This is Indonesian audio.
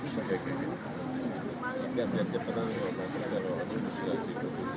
rumah hanya berpantai dengan tanah